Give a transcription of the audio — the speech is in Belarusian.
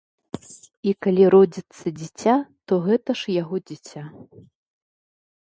І калі родзіцца дзіця, то гэта ж яго дзіця!